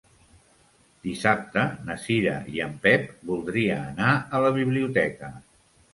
Dissabte na Cira i en Pep voldria anar a la biblioteca.